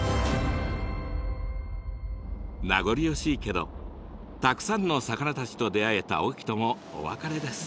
名残惜しいけどたくさんの魚たちと出会えた隠岐ともお別れです。